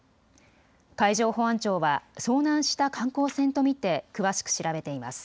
海上保安庁は遭難した観光船と見て詳しく調べています。